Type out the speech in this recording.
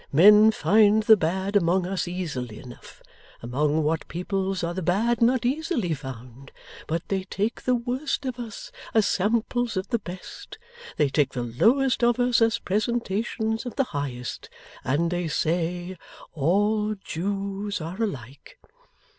Men find the bad among us easily enough among what peoples are the bad not easily found? but they take the worst of us as samples of the best; they take the lowest of us as presentations of the highest; and they say "All Jews are alike."